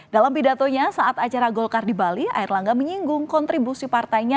dalam pidatonya saat acara golkar di bali air langga menyinggung kontribusi partainya